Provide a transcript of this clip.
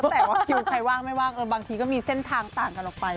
แต่ว่าคิวใครว่างไม่ว่างบางทีก็มีเส้นทางต่างกันออกไป